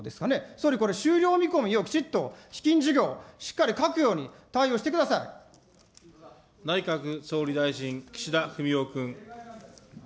総理これ、終了見込みをきちっと基金事業、しっかり書くよう対応内閣総理大臣、岸田文雄君。